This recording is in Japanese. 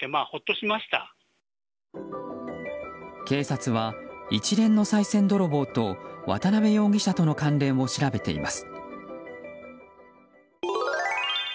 警察は一連のさい銭泥棒と渡辺容疑者との関連を調べています。